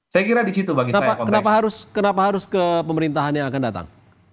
saya kira di situ bagi saya konteksnya kenapa harus ke pemerintahan yang akan datang